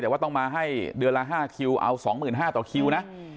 แต่ว่าต้องมาให้เดือนละ๕คิวเอา๒๕๐๐ต่อคิวนะ